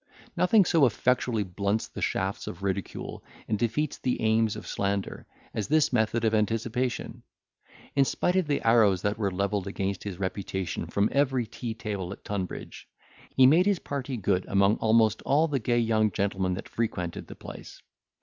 Nothing so effectually blunts the shafts of ridicule, and defeats the aims of slander, as this method of anticipation. In spite of the arrows that were levelled against his reputation from every tea table at Tunbridge, he made his party good among almost all the gay young gentlemen that frequented the place.